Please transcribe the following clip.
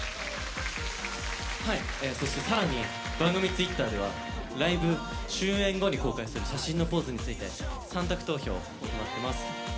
そしてさらに番組ツイッターではライブ終演後に公開する写真のポーズについて３択投票を行ってます。